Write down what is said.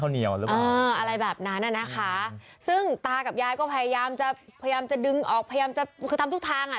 อะไรแบบนั้นอ่ะนะคะซึ่งตากับยายก็พยายามจะพยายามจะดึงออกพยายามจะคือทำทุกทางอ่ะ